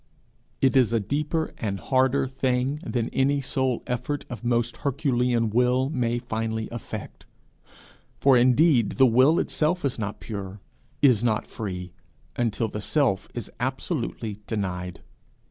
It is a deeper and harder thing than any sole effort of most herculean will may finally effect. For indeed the will itself is not pure, is not free, until the Self is absolutely denied.